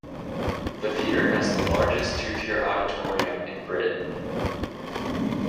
The theatre has the largest two-tier auditorium in Britain.